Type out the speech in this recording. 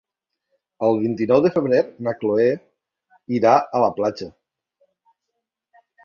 El vint-i-nou de febrer na Chloé irà a la platja.